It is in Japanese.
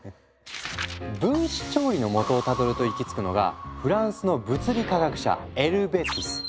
分子料理のもとをたどると行き着くのがフランスの物理化学者エルヴェ・ティス。